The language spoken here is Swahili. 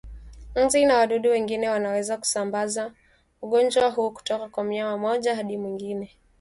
Nzi na wadudu wengine wanaweza kusambaza ugonjwa huu kutoka kwa mnyama mmoja hadi mwingine